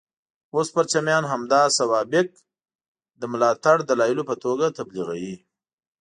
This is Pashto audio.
اوس پرچمیان همدا سوابق د ملاتړ دلایلو په توګه تبلیغوي.